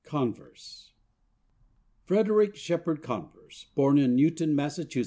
CONVERSE (_Frederick Shepherd Converse: born in Newton, Mass.